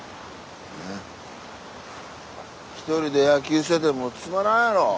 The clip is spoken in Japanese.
１人で野球しててもつまらんやろ。